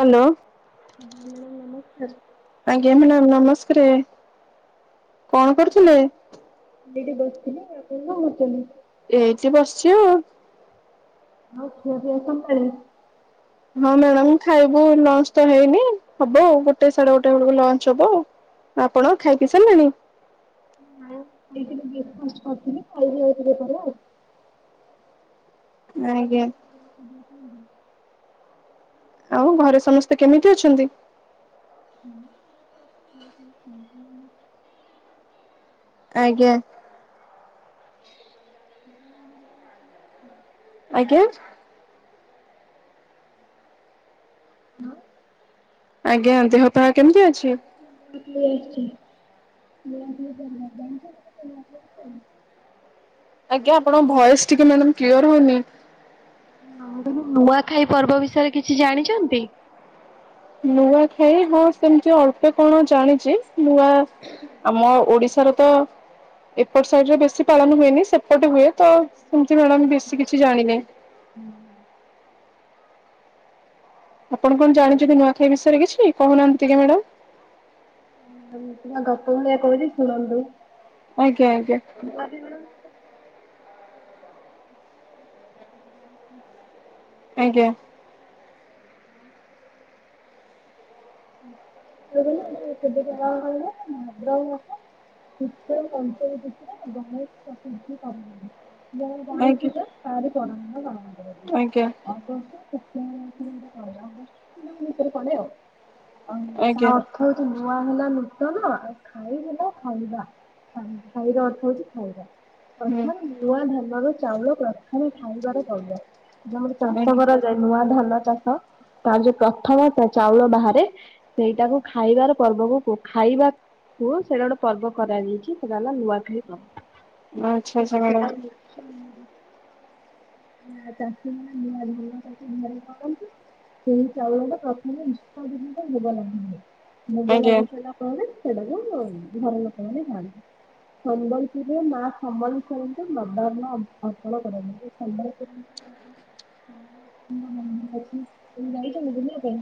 Hello. Madam ନମସ୍କାର ମୁଁ ଆଜ୍ଞା ମ୍ୟାଡାମ୍ ନମସ୍କାର। କଣ କରୁଥିଲେ? ଦିଦି ବସିଥିଲି ଆଉ କୁହନ୍ତୁ ମୁତଲୀ। ଏଇଠି ବସିଛି ଆଉ। ଆଉ ଖିଆପିଆ କଂପ୍ଲେଟ। ହଁ ମ୍ୟାଡାମ ଖାଇବୁ ଲଞ୍ଚ ତ ହେଇନି ହବ ଆଉ ଗୋଟେ ସାଡେ ଗୋଟେ ବେଳକୁ ଲଞ୍ଚ ହବ ଆଉ ଆପଣ ଖାଇପିଇ ସାରିଲେଣି। ନାଇଁ [unintelligible] ନେ ଗେମ। ହୁଁ ଆଉ ଘରେ ସମସ୍ତେ କେମିତି ଅଛନ୍ତି। ହୁଁ ହୁଁ ହୁଁ ହୁଁ ଆଜ୍ଞା ଆଜ୍ଞା। ହଁ। ଆଜ୍ଞା ଦେ ହ ପା। [unintelligible] [inaudible] ଆଜ୍ଞା ଆପଣଙ୍କ ଭଏସ ଟିକେ ମ୍ୟାଡ଼ାମ କ୍ଲିର ହଉନି। ନୂଆଖାଇ ପର୍ବ ବିଷୟରେ କିଛି ଜାଣିଛନ୍ତି? ନୂଆଖାଇ ହଁ ସେମିତି ଅଳ୍ପ କଣ ଜାଣିଛି। ନୂଆ ଆମ ଓଡିଶା। ତ ଏପଟ ସାଇଡରେ ବେଶୀ ପାଳନ ହୁଏନି ସେପଟେ ହୁଏ ତ ସେମତି ମ୍ୟାଡମ ବେଶୀ କିଛି ଜାଣିନି। ହୁଁ। ଆପଣ କଣ ଜାଣିଛନ୍ତି ନୂଆଖାଇ ବିଷୟରେ କିଛି କହୁନାହାନ୍ତି ଟିକେ ମ୍ୟାଡମ? ଗପ ଭଳିଆ କହୁଛି ଶୁଣନ୍ତୁ। ଆଜ୍ଞା ଆଜ୍ଞା। ଆଜ୍ଞା ସେବଠାରୁ ଆଦ୍ରଳ ପଞ୍ଚାୟତ ଭିତରେ ବହୁତ ପ୍ରସିଦ୍ଧି କରି ମୁଁ ଗଣେଶ ଆଜ୍ଞା ପୂଜା ତାରି ପର ଦିନ ପାଳନ କରେ ଆଜ୍ଞା ଅଗଷ୍ଟ ଅଗଷ୍ଟ ଭିତରେ ପଡେ ଆଉ। ଓ ତା ଆଜ୍ଞା ଅର୍ଥ ହଉଚି ନୂଆ ହେଲାନି। ତ ଆଉ ଖାଇ ହେଲା ଖାଇବା। ଖାଇର ଅର୍ଥ ହଉଛି ଖାଇବା। ହୁଁ ଅର୍ଥ ନୂଆ ଧାନ। ଆମର ଚାଉଳ ପ୍ରଥମେ ଖାଇବାରେ ପଡିବ। ଯେମିତି ଚାଷ ଆଜ୍ଞା। କରାଯାଏ ନୂଆ ଧାନ ଚାଷ ତାର ଯୋଉ ପ୍ରଥମ ତା ଚାଉଳ ବାହାରେ ରେ, ସେଇଟାକୁ ଖାଇବାର ପର୍ବକୁ ଖାଇବା କୁ ସେଇଟା ଗୋଟେ ପର୍ବ କରାଯାଇଚି ସେଟା ହେଲା ନୂଆଖାଇ ପର୍ବ। ଆଚ୍ଛା ଆଚ୍ଛା ହଁ ମ୍ୟାଡ଼ାମ ସେଟା ନା ଚାଷୀମାନେ ନୂଆ ଧାନଟାକୁ ଘରେ ପକାନ୍ତି, ସେଇ ଚାଉଳ ଟା ପ୍ରଥମେ [unintelligible] ଭୋଗ ଲାଗେନି। ଭୋଗ ଆଜ୍ଞା। ଲାଗିସାରିଲା ପରେ ସେଇଟାକୁ ଘର ଲୋକମାନେ ଯାଆନ୍ତି। ସମ୍ବଲପୁରରେ ମା ସମ୍ବଲେଶ୍ୱରୀଙ୍କ ନବାରନ୍ନ ଅର୍ପଣ କରାଯାଏ। ସମ୍ବଲପୁରରେ ସମ୍ବଲେଶ୍ୱରୀଙ୍କ ମନ୍ଦିର ଅଛି। ଆପଣ ଯାଇଛନ୍ତି କି ବୁଲିବା ପାଇଁ?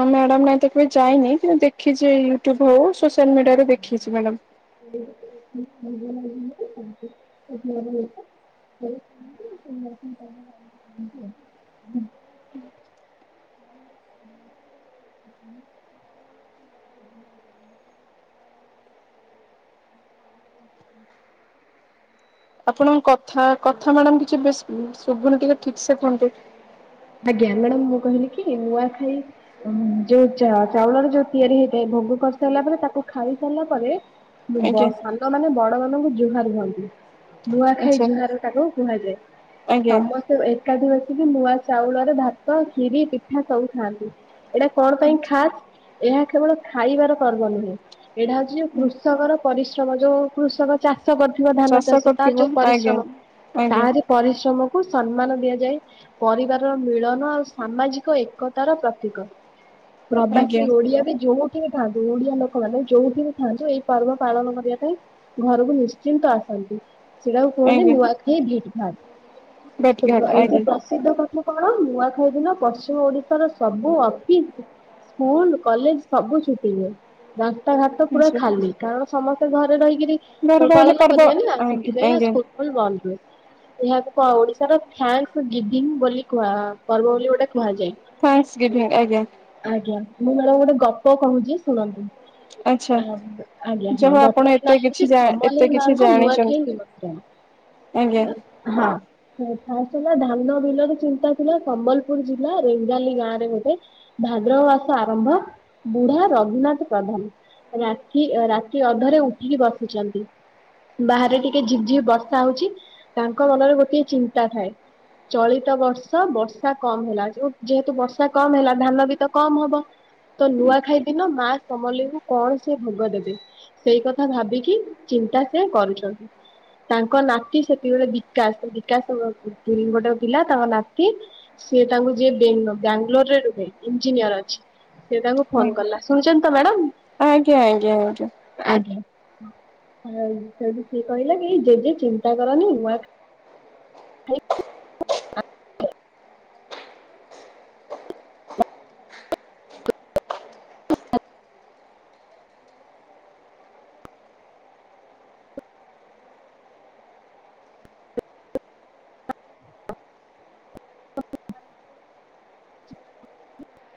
ମ୍ୟାଡାମ ନାଇଁ ତ କେବେ ଯାଇନି କିନ୍ତୁ ଦେଖିଛି ୟୁଟୁବ ହଉ ସିମିଳିଗୁଡା ରେ ଦେଖିଚି ମ୍ୟାଡ଼ାମ। [inaudible] [inaudible] ଆପଣଙ୍କ କଥା କଥା ମ୍ୟାଡାମ କିଛି ବେଶି ଶୁଭ ଶୁଭୁନି ଟିକେ ଠିକ ସେ କୁହନ୍ତୁ। ଆଜ୍ଞା ମ୍ୟାଡାମ ମୁଁ କହିଲି କି ନୂଆ ଖାଇ ଯୋଉ ଚା ଚାଉଳରେ ଯୋଉ ତିଆରି ହେଇଥାଏ, ଭୋଗ କରିସାରିଲା ପରେ ତାକୁ ଖାଇ ସାରିଲା ପରେ ବ ଆଜ୍ଞା ସାନ ମାନେ ବଡମାନଙ୍କୁ ଜୁହାର ହୁଅନ୍ତି। ନୂଆ ଖାଇ ଆଚ୍ଛା ଜୁହାର ତାକୁ କୁହାଯାଏ। ଆଜ୍ଞା ସମସ୍ତେ ଏକାଠି ବସି ଯୋଉ ନୂଆ ଚାଉଳରେ ଭାତ, ଖିରି, ପିଠା ସବୁ ଖାଆନ୍ତି। ଏଇଟା କଣ ପାଇଁ ଖାଶ୍? ଏହା କେବଳ ଖାଇବାର ପର୍ବ ନୁହେଁ। ଏଇଟା ହଉଚି କୃଷକର ପରିଶ୍ରମ ଯୋଉ କୃଷକ ଚାଷୀ ଷ କରଥିବ ଧାନ ଚାଷ ତାର କରିଥିବ ଯୋଉ ଆଜ୍ଞା। ପରିଶ୍ରମ ଆଜ୍ଞା ତାରି ପରିଶ୍ରମକୁ ସମ୍ମାନ ଦିଆଯାଏ। ପରିବାରର ମିଳନ ଆଉ ସାମାଜିକ ଏକତାର ପ୍ରତୀକ। ଆଜ୍ଞା ପ୍ରବାସୀ ଓଡିଆ ବି ଯୋଉଠି ଥାନ୍ତୁ, ଓଡିଆ ଲୋକମାନେ ଯୋଉଠି ବି ଥାଆନ୍ତୁ। ଏଇ ପର୍ବ ପାଳନ କରିବା ପାଇଁ ଘରକୁ ନିଶ୍ଚିନ୍ତ ଆସନ୍ତି। ସେଟାକୁ କୁହନ୍ତି ନୂଆଖାଇ ଭେଟ ଘାଟ। ଭେଟ୍ ଘାଟ ଆଜ୍ଞା। ଥା କଣ ନୂଆଖାଇ ଦିନ ପଶ୍ଚିମ ଓଡିଶାର ସବୁ ଅଫିସ, ସ୍କୁଲ, କଲେଜ ସବୁ ଛୁଟି ହୁଏ। ରାସ୍ତାଘାଟ ପୁରା ଆଛା ଖାଲି କାରଣ ସମ୍ ଘରେ ରହିକିରି ଘରେ ରହିଲେ ପାଳନ ପର୍ବ କରିବେନି ନା ଆଜ୍ଞା ସେଥିପାଇଁ ଆଉ ଆଜ୍ଞା ସ୍କୁଲ ଫୁଲ ବନ୍ଦ ହୁଏ। ଏହାକୁ କ ଓଡିଶାର ଫ୍ୟାନସ ଗିଭିଂ ବୋଲି କୁହା ପର୍ବ ବୋଲି ଗୋଟେ କୁହାଯାଏ। ଥ୍ୟାଙ୍କସ ଗିଭିଂ, ଆଜ୍ଞା। ଆଜ୍ଞା ମୁଁ ନହେଲେ ଗୋଟେ ଗପ କହୁଛି ଶୁଣନ୍ତୁ। ଆଚ୍ଛା ଆବ୍ ଆଜ୍ଞା ହଁ ଯାହା ହଉ ଆପଣ ଗପର ନାଁ ଏତେ ହେଉଛି। କିଛି ଜା ଏତେ ସମଲେଇ କିଛି ମାଙ୍କ ନୂଆଖାଇ ଜାଣିଛନ୍ତି। ନିମନ୍ତ୍ରଣ, ଆଜ୍ଞା ଆ ହଁ। ହେ ଫାଷ୍ଟ ହେଲା ଧାନ ନ ଦିନରୁ ଚିନ୍ତା ଥିଲା। ସମ୍ବଲପୁର ଜିଲ୍ଲା ରେଙ୍ଗାଲି ଗାଁ ରେ ଗୋଟେ ଭାଦ୍ରବ ମାସ ଆରମ୍ଭ, ବୁଢା ରଘୁନାଥ ପ୍ରଧାନ ରାତି ରାତି ଅଧରେ ଉଠିକି ବସିଛନ୍ତି। ବାହାରେ ଟିକେ ଝିପ ଝିପ ବର୍ଷା ହଉଛି, ତାଙ୍କ ମନରେ ଗୋଟିଏ ଚିନ୍ତା ଥାଏ। ଚଳିତ ବର୍ଷ ବର୍ଷା କମ ହେଲା। ଯୋ ଯେହେତୁ ବର୍ଷା କମ ହେଲା ଧାନ ବି ତ କମ ହବ। ତ ନୂଆଖାଇ ଦିନ ମା ସମଲେଇଙ୍କୁ କଣ ସେ ଭୋଗ ଦେବେ। ସେଇ କଥା ଭାବିକି ଚିନ୍ତା ସେ କରୁଛନ୍ତି। ତାଙ୍କ ନାତି ସେତିକିବେଳେ ବିକାଶ, ବିକାଶ ଗୋ ଗୋଟେ ପିଲା ତାଙ୍କ ନାତି ସିଏ ତାଙ୍କୁ ଯିଏ ବେ ବ୍ୟଙ୍ଗୋଲୋର ରେ ରୁହେ, ଇଞ୍ଜିନିୟର ଅଛି। ସେ ତାଙ୍କୁ ଫୋନ କଲା ଶୁଣିଛ ତ ମ୍ୟାଡ଼ାମ୍। ଆଜ୍ଞା, ଆଜ୍ଞା, ଆଜ୍ଞା। [inaudible] ଆଉ ସେଠି ସିଏ କହିଲା କି ଜେଜେ ଚିନ୍ତା କରନି ନୂଆଖା [inaudible] ଖାଇ [unintelligible]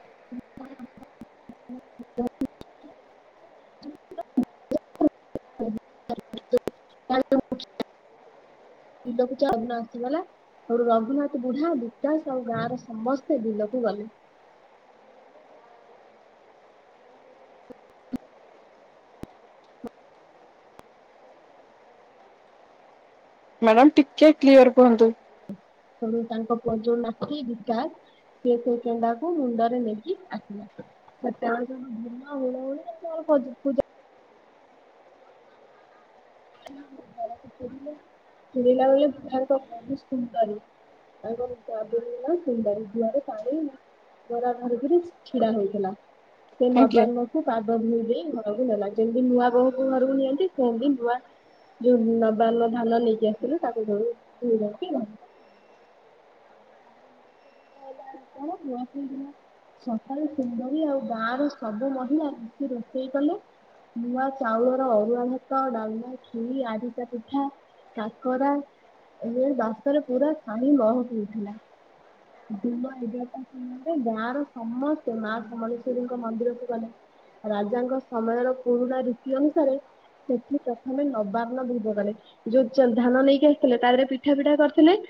[inaudible] ବିଲକୁ ଚଉନ ଆସିଗଲା ଆଉ ରଘୁନାଥ ବୁଢା ବିକାଶ ଆଉ ଗାଁର ସମସ୍ତେ ବିଲକୁ ଗଲେ। ମ୍ୟାଡ଼ାମ ଟିକେ କ୍ଲିୟର କୁହନ୍ତୁ। ତେଣୁ ତାଙ୍କ ପୁଅ ଯୋଉ ନାତି ବିକାଶ ସିଏ ସେ କହୁଛନ୍ତି ମୁଣ୍ଡରେ ନେଇକି ଆସିଲା। ଯମ ହୁଳ ହୁଲି [unintelligible] [unintelligible] ବୁଧ ସୁନ୍ଦରୀ ତା ସୁନ୍ଦରୀ ଗୁହରେ ପାଣି ଗରା ଘରରେ ଛିଡା ହୋଇଥିଲା। ସେ ଆଜ୍ଞା ନବାଙ୍ଗକୁ ପା [inaudible] ଘରକୁ ନଲା ଯେମିତି ନୂଆ ବୋହୂକୁ ଘରକୁ ନିଅନ୍ତି, ସେଇନ୍ତି ନୂଆ ଯୋଉ ନବା ଧାନ ନେଇକି ଆସିଥିଲେ ତାକୁ ସବୁ [unintelligible] ଖାଇ ଦିନ ସକାଳ ସୁନ୍ଦରି ଆଉ ଗାଁ ର ସବୁ ମହିଳା ରୋଷେଇ କଲେ। ନୂଆ ଚାଉଳର ଅରୁଆ ଭାତ, ଡାଲମା, ଖିରି, ଆରିସା ପିଠା, କାକରା ଏ ବାସରେ ପୁରା ପାଣି ମହକି ଉଠିଲା। ଦିନ ଏଗାରଟା ସମୟରେ ଗାଁର ସମସ୍ତ ମା ସମଳେଶ୍ଵରୀଙ୍କ ମନ୍ଦିରକୁ ଗଲେ ରାଜାଙ୍କ ସମୟର ପୁରୁଣା ରୀତି ଅନୁସାରେ ସେଠି ପ୍ରଥମେ ନବାର୍ନ ଭୁୋଗ କଲେ। ଯୋଉ ଧାନ ନେଇକି ଆସିଥିଲେ ତା ଦେହରେ ପିଠା ଫିଠା କରିଥିଲେ।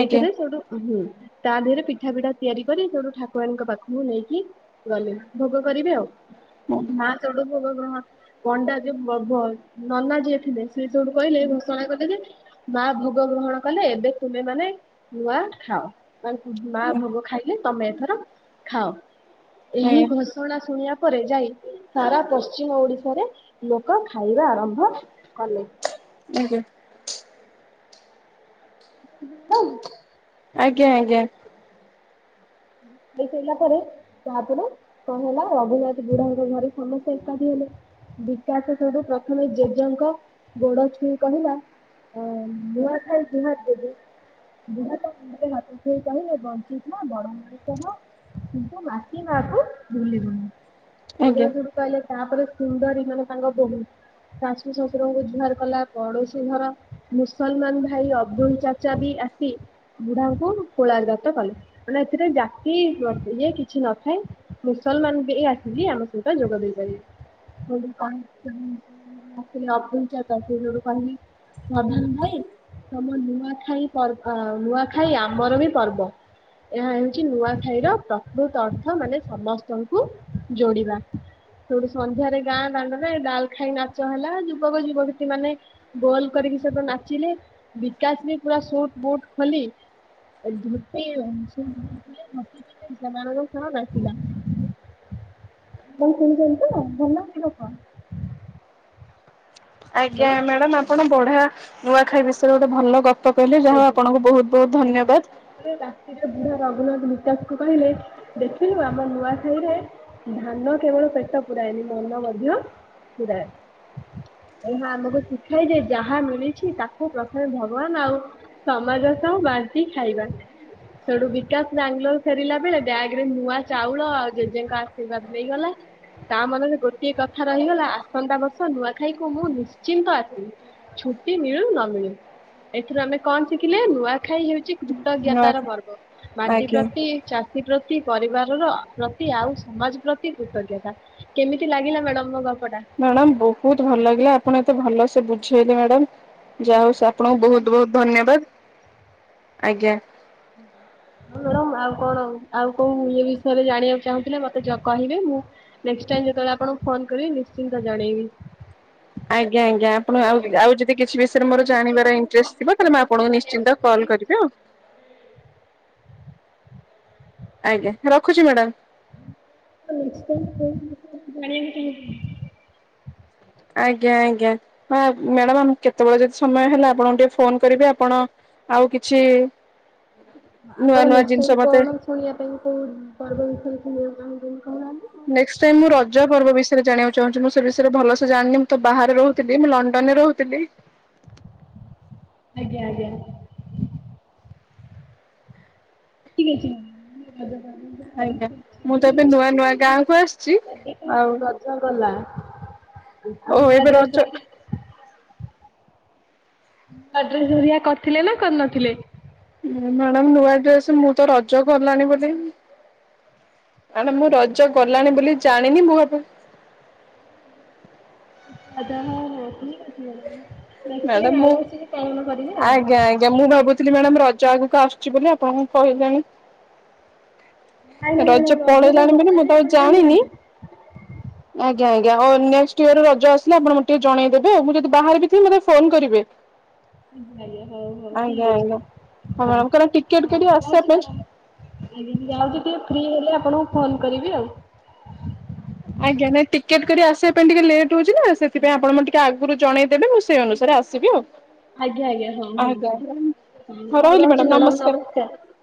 ଆଜ୍ଞା ସୋଉଟୁ ହୁଁ। ତା ଦେହରେ ପିଠା ଫିଠା ତିଆରି କରି ସେଠୁ ଠାକୁରାଣୀଙ୍କ ପାଖକୁ ନେଇକି ଗଲେ। ଭୋଗ କରିବେ ଆଉ ମା ସେଠୁ ଭୋଗ ଗ୍ରହଣ ପଣ୍ଡା ଯଉ ନନା ଯିଏ ଥିଲେ ସ ଯୋଠୁ କହିଲେ [inaudible] ମା ଭୋଗ ଗ୍ରହଣ କଲେ ଏବେ ତୁମେ ମାନେ ନୂଆ ଖାଅ। ମାନେ ମା ଆଜ୍ଞା ଭୋଗ ଖାଇଲେ ତମେ ଏଥର ଖାଅ। ଏହି ଆଜ୍ଞା ଘୋଷଣା ଶୁଣିବା ଉପରେ ଯାଇ ସାରା ପଶ୍ଚିମ ଓଡିଶାରେ ଲୋକ ଖାଇବା ଆରମ୍ଭ କଲେ। ଆଜ୍ଞା। [unintelligible] ଆଜ୍ଞା, ଆଜ୍ଞା। [inaudible] ରିଲା ପରେ ତାପରେ କଁ ହେଲା ରଘୁନାଥ ବୁଢାଙ୍କ ଘରେ ସମସେ ଏକାଠି ହେଲେ। ବିକାଶ ସଠୁ ପ୍ରଥମେ ଜେଜେଙ୍କ ଗୋଡ ଛୁଇଁ କହିଲା ଅ ନୂଆଖାଇ କୁହାର ଜେଜେ। ବୁଢା ତରେ ହାତ ଛୁଇ କହିଲେ ବଞ୍ଚିଥିଲା ବଡ [inaudible] କ କିନ୍ତୁ ମାଟି ମା କୁ ଭୁଲିବୁନି। ଆଜ୍ଞା। ଏଇ [inaudible] ତାପରେ ସୁନ୍ଦରୀ ମାନେ ତାଙ୍କ ବୋହୂ ଶାଶୁ ଶଶୁରଙ୍କୁ ଜୁହାର କଲା ପଡୋଶୀ ଘର ମୁସଲମାନ ଭାଇ ଅବଦୁଲ ଚାଚା ବି ଆସି ବୁଢାଙ୍କୁ କୋଳାଗ୍ରତ କଲେ। ମାନେ ସେଥିରେ ଜାତି ପ୍ର ଇଏ କିଛି ନଥାଏ ମୁସଲମାନ ବି ଆସିଲି ଆମ ସହିତ ଯୋଗ ଦେଇ ପାରିବେ। [inaudible] କହିଲେ ପ୍ରଧାନ ଭାଇ ତମ ନୂଆଖାଇ ପର୍ବ ନୂଆଖାଇ ଲାରବା ଆମର ବି ପର୍ବ ଏହା ହେଉଛି ନୂଆଖାଇ ର ପ୍ରକୃତ ଅର୍ଥ ମାନେ ସମସ୍ତଙ୍କୁ ଯୋଡିବା। ସୋଉଠୁ ସନ୍ଧ୍ୟାରେ ଗାଁ ଦାଣ୍ଡରେ ଡାଲ ଖାଇ ନାଚ ହେଲା ଯୁବକ ଯୁବକତୀ ମାନେ ଗୋଲ କରିକି ସବୁ ନାଚିଲେ ବିକାଶ ବି ପୁରା ସୁଟ ବୁଟ ଖୋଲି ବାସିଲ [unintelligible] ଆଜ୍ଞା ମାଡାମ ଆପଣ ପଢା ନୂଆଖାଇ ବିଷୟରେ ଗୋଟେ ଭଲ ଗ କଣ କହିଲେ, ଯାହା ହଉ ଆଜ୍ଞା। ଆପଣଙ୍କୁ ବହୁତ ବହୁତ ତାପରେ ଧନ୍ୟବାଦ। ଶେଷରେ ରାତିରେ ବୁଢା ରଘୁନାଥ ବିକାଶ କ କହିଲେ ଦେଖିଲୁ ଆମ ନୂଆଖାଇରେ ଧାନ କେବଳ ପେଟ ପୁରାଏନି, ମନ ମଧ୍ୟ ପୁରାଇ। ଏହା ଆମକୁ ଶିଖା ଏ ଯେ ଯାହା ମିଳିଛି ତାକୁ ପ୍ରଥମେ ଭଗବାନ ଆଉ ସମାଜ ସହ ବାଣ୍ଟି ଖାଇବା। ସେଠୁ ବିକାଶ ବାଙ୍ଗାଲୋର ଫେରିଲା ବେଳେ ବ୍ୟାଗ ରେ ନୂଆ ଚାଉଳ ଆଉ ଜେଜେଙ୍କ ଆଶୀର୍ବାଦ ନେଇଗଲା ତା ମନରେ ଗୋଟିଏ କଥା ରହିଗଲା ଆସନ୍ତା ବର୍ଷ ନୂଆ ଖାଇକୁ ମୁଁ ନିଶ୍ଚିନ୍ତ ଆସିବି ଛୁଟି ମିଳୁ ନ ମିଳୁ। ଏଥିରୁ ଆମେ କଣ ଶିଖିଲେ ନୂଆଖାଇ ହେଉଛି ତ ନୂଆ ଜ୍ଞାତାର ପର୍ବ। ମାଟି ଆଜ୍ଞା ପ୍ରତି ଚାଷୀ ପ୍ର ପ୍ରତି ପରିବାରର ପ୍ରତି ଆଉ ସମାଜ ପ୍ରତି କୃତଜ୍ଞତା କେମିତି ଲାଗିଲା ମ୍ୟାଡମ ମୋ ଗପଟା? ମ୍ୟାଡାମ ବହୁତ ଭଲ ଲାଗିଲା। ଆପଣ ଏତେ ଭଲ ସେ ବୁଝ ବୁଝିଗଲି ମ୍ୟାଡ଼ାମ ଯା ହଉ ସ ଆପଣଙ୍କୁ ବହୁତ ବହୁତ ଧନ୍ୟବାଦ। ଆଜ୍ଞା। ହଁ ମାଡମ ଆଉ କଣ ଆଉ କୋଉ ଇ ବିଷୟରେ ଜାଣିବାକୁ ଚାହୁଁଥିଲେ ମତେ କହିବେ? ମୁଁ ନେଷ୍ଟ ଟାଇମିଂ ଯେତେବେଳେ ଆପଣଙ୍କୁ ଫୋନ କରିବି ନିଶ୍ଚିନ୍ତ ଜଣେଇବି। ଆଜ୍ଞା ଆଜ୍ଞା ଆପଣ ଆଉ ଆଉ ଯଦି କିଛି ବିଷୟରେ ଆଉ ମୋର ନେକ୍ସଟ ଟାଇମ ଜାଣିବାର ଆପଣ କଣ ଇନଟ୍ରେଷ୍ଟ ଥିବ, କୋଉ ତାହଲେ ମୁଁ ବିଷୟରେ ଆପଣଙ୍କୁ ଜାଣିବାକୁ ନିଶ୍ଚିନ୍ତ କଲ୍ ଜାଣିବାକୁ କରିବି ଆଉ। ଚାହୁଁଛନ୍ତି? ଆଜ୍ଞା ରଖୁଛି ମାଡାମ। ା [inaudible] ଆଜ୍ଞା ଆଜ୍ଞା ହଁ ମ୍ୟାଡାମ କେତେବେଳେ ଯଦି ସମୟ ହେଲା ଆପଣଙ୍କୁ ଟିକେ ଫୋନ କରିବି ଆପଣ ଆଉ କିଛି ନୂଆ ଆପଣ ନୂଆ ନେକ୍ସଟ ଜିନିଷ ଟାଇମ୍ ମତେ କଣ ଶୁଣିବା ପାଇଁ କୋଉ ପର୍ବ ବିଷୟ ରେ ଶୁଣିବ? [unintelligible] ନେକ୍ସଟ ଟାଇମ ମୁଁ ରଜ ପର୍ବ ବିଷୟରେ ଜାଣିବାକୁ ଚାହୁଁଛି ମୁଁ ସେ ବିଷୟରେ ଭଲସ ଜାଣିନି, ମୁଁ ତ ବାହାରେ ରହୁଥିଲି ମୁଁ ଲଣ୍ଡନରେ ରହୁଥିଲି। ଆଜ୍ଞା ଆଜ୍ଞା। [unintelligible] ଆଜ୍ଞା ମୁଁ ତ ଏବେ ନୂଆ ନୂଆ ଗାଁ କୁ ଆସିଛି ଏବେ ତ ଆଉ। ରଜ ଗଲା ଓ ଏବେ ରଜ [unintelligible] ଦୋଳିଆ କରିଥିଲେ ନା କରି ନଥିଲେ? ମ୍ୟାଡାମ ନୂଆ ଡ୍ରେସ ମୁଁ ତ ରଜ ଗଲାଣି ବୋଲି, ମ୍ୟାଡମ୍ ମୁଁ ରଜ ଗଲାଣି ବୋଲି ଜାଣିନି ହୁଏତ ଆଛା ହଉ ହଉ ଠିକ ଅଛି ମ୍ୟାଡାମ୍। ମ୍ୟାଡମ୍ ମୁଁ ଆଉ। ଆଜ୍ଞା ଆଜ୍ଞା ମୁଁ ଭାବୁଥିଲି ମ୍ୟାଡାମ୍ ରଜ ଆଗକୁ ଆସୁ ଆସୁଛି ବୋଲି ଆପଣଙ୍କୁ କହିଲେଣି। ନାଇଁ ନାଇଁ ରଜ ମ୍ୟାଡ଼ାମ ରଜରେ ପଳେଇଲାଣି ବୋଲି ମୁଁ ଗଲାନି ତ ଆଉ ଆପଣ ଜାଣିନି ଜାଣିନାହାନ୍ତି? ଆଜ୍ଞା ଆଜ୍ଞା ହଁ ନେକ୍ସଟ୍ ଇୟର ରଜ ଆସିଲେ ଆପଣ ମୋତେ ଟିକେ ଜଣେଇଦବେ। ଆ ମୁଁ ଯଦି ବାହାର ଥିବି ମତେ ଟିକେ ଫୋନ କରିବେ। ଆଜ୍ଞା ଆଜ୍ଞା ହଉ ହଉ ଆଜ୍ଞା ଠିକ ଆଜ୍ଞା ଅଛି ହଁ ହଉ ମ୍ୟାଡ଼ାମ କାରଣ ଟିକେଟ ହଁ କରି ଆସିବା ଯାଉଛି ପାଇଁ ମ୍ୟାଡାମ୍ ଆଜ୍ଞା ମୁଁ ଯାଉଛି ଟିକେ ଫ୍ରି ହେଲେ ଆପଣଙ୍କୁ ଫୋନ କରିବି ଆଉ। ଆଜ୍ଞା ନାଇଁ ଟିକେଟ୍ କରି ଆସିବା ପାଇଁଟିକେ ଲେଟ୍ ହଉଛି ନା ସେଥିପାଇଁ ଆପଣ ମୋତେ ଟିକେ ଆଗରୁ ଜଣେଇଦେବେ ମୁଁ ସେଇ ଅନୁସାରେ ଆସିବି ଆଉ। ଆଜ୍ଞା ଆଜ୍ଞା ହଁ ହଁ ଆଜ୍ଞା ହଁ ଆଜ୍ଞା ହ ହଉ ରହୁଚି ମ୍ୟାଡ଼ାମ ନମସ୍କାର।